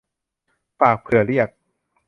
ฝากเผื่อเรียก